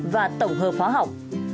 và tổng hợp hóa học